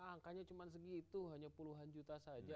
angkanya cuma segitu hanya puluhan juta saja